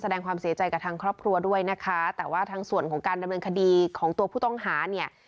แสดงความเสียใจกับทางครอบครัวด้วยนะคะแต่ว่าทางส่วนของการดำเนินคดีของตัวผู้ต้องหาเนี่ย